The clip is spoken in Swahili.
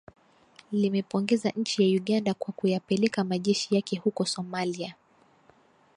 limepongeza nchi ya uganda kwa kuyapeleka majeshi yake huko somalia